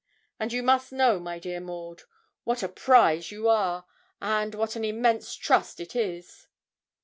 And you must know, my dear Maud, what a prize you are, and what an immense trust it is.'